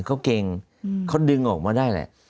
เขาเก่งเขาดึงออกมาได้แหละ